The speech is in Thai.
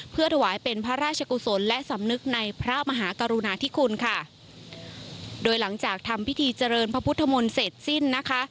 เพื่อถวายเป็นพระราชกุศลและสำนึกในพระมหากรุณาธิคุณค่ะโดยหลังจากทำพิธีเจริญพระพุทธมนต์เสร็จสิ้นนะคะ